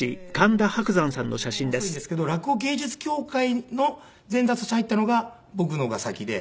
私の方が入門は遅いんですけど落語芸術協会の前座として入ったのが僕の方が先で。